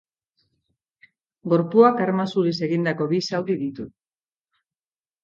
Gorpuak arma zuriz egindako bi zauri ditu.